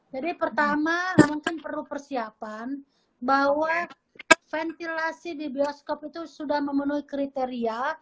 jadi pertama mungkin perlu persiapan bahwa ventilasi di bioskop itu sudah memenuhi kriteria